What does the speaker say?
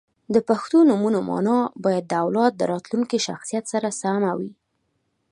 • د پښتو نومونو مانا باید د اولاد د راتلونکي شخصیت سره سمه وي.